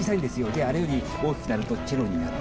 であれより大きくなるとチェロになる。